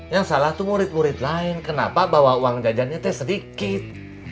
yang salah itu murid murid lain kenapa bawa uang jajannya sedikit